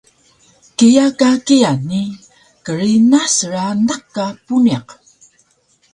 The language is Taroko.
Kiya ka kiya ni krinah sranaq ka puniq